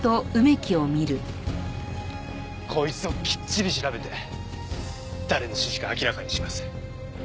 こいつをきっちり調べて誰の指示か明らかにします。